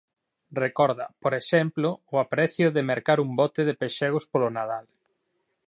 Recorda, por exemplo, o aprecio de mercar un bote de pexegos polo Nadal.